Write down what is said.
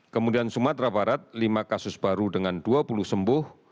kemudian sumatera barat lima kasus baru dengan dua puluh sembuh